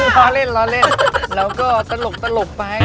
ก็หาเล่นแล้วก็ตลกไป